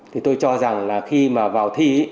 thì tôi cho rằng là khi mà vào thi